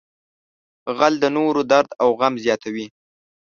غل د نورو درد او غم زیاتوي